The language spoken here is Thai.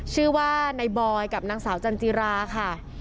ชื่อว่าในบอยกับนางสาวจันทรีย์ราค่ะ